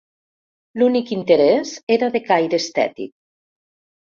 L'únic interès era de caire estètic.